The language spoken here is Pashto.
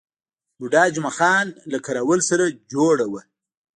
بوډا جمعه خان له کراول سره جوړه وه.